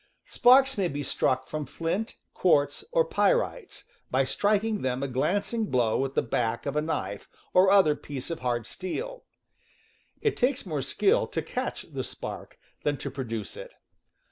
Sparks may be struck from flint, quartz, or pyrites, by striking them a glancing blow with the back of a knife, or other piece of hard steel. It takes more skill to catch the spark than to produce it.